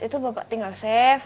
itu bapak tinggal save